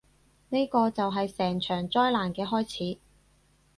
呢個就係成場災難嘅開始